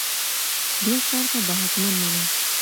دوه شرطه به حتمآ منې